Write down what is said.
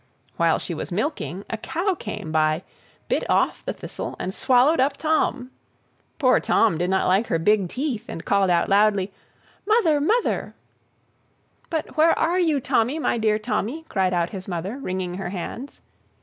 While she was milking, a cow came by, bit off the thistle, and swallowed up Tom. Poor Tom did not like her big teeth, and called out loudly, "Mother, mother!" "But where are you, Tommy, my dear Tommy?" cried out his mother, wringing her hands.